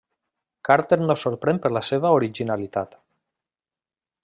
Carter no sorprèn per la seva originalitat.